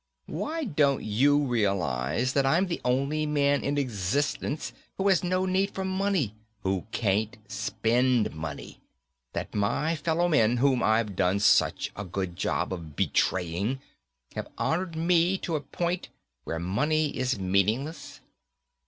Why don't you realize, that I'm the only man in existence who has no need for money, who can't spend money? That my fellow men whom I've done such a good job of betraying have honored me to a point where money is meaningless?"